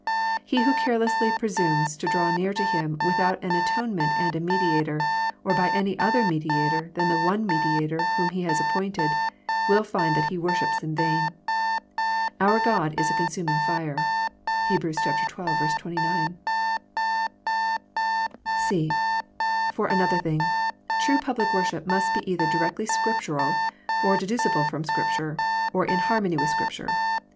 He who carelessly presumes to draw near to Him without an atonement and a mediator, or by any other mediator than the one Mediator whom He has appointed, will find that he worships in vain. " Our God is a consuming fire." (Heb. xii. 29.) (c) For another thing, true public worship must be either directly Scriptural, or deducible from Scripture, or in harmony with Scripture.